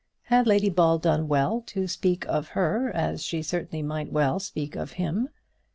Had Lady Ball done well to speak of her as she certainly might well speak of him?